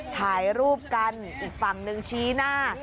ถ่ายรูปกันอีกฝั่งหนึ่งชี้หน้า